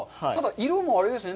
色もあれですね。